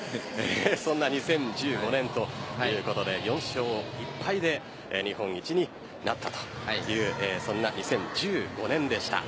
そんな２０１５年ということで４勝１敗で日本一になったというそんな２０１５年でした。